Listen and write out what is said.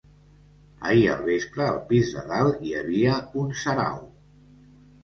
Ahir al vespre al pis de dalt hi havia un sarau!